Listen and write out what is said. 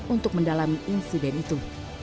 untuk mendalami insiden itu